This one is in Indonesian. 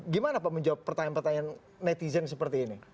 gimana pak menjawab pertanyaan pertanyaan netizen seperti ini